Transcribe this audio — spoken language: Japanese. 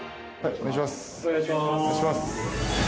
お願いします。